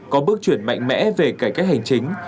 có bước chuyển mạnh mẽ về cải cách hành chính